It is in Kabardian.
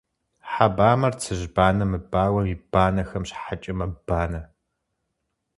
Хьэ бамэр цыжьбанэ мыбауэм и банэхэм щхьэкӏэ мэбанэ.